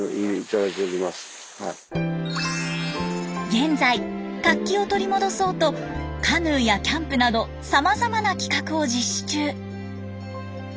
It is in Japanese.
現在活気を取り戻そうとカヌーやキャンプなどさまざまな企画を実施中。